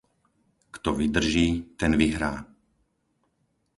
Kto vydrží, ten vyhrá.